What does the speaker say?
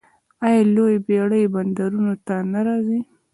آیا لویې بیړۍ بندرونو ته نه راځي؟